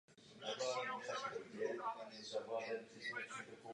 Současný roztříštěný rozpočet, který obsahuje mnoho okruhů, není moc čitelný.